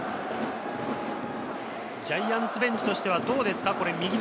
ジャイアンツベンチとしてはどうですか？